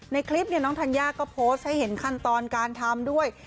ในคลิปน้องธัญญาก็โพสต์ให้เห็นขั้นตอนการทำด้วย